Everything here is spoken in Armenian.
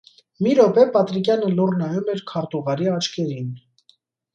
Մի րոպե Պատրիկյանը լուռ նայում էր քարտուղարի աչքերին: